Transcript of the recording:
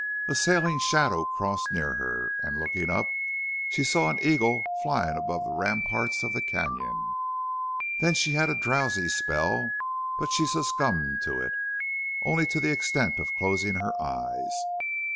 A sailing shadow crossed near her, and, looking up, she saw an eagle flying above the ramparts of the canon. Then she had a drowsy spell, but she succumbed to it only to the extent of closing her eyes.